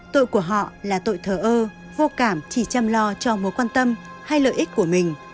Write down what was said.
tội của họ là tội thờ ơ vô cảm chỉ chăm lo cho mối quan tâm hay lợi ích của mình